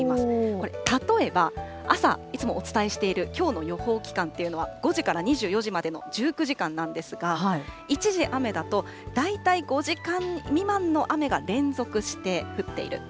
これ、例えば朝、いつもお伝えしているきょうの予報期間というのは、５時から２４時までの１９時間なんですが、一時雨だと、大体５時間未満の雨が連続して降っている。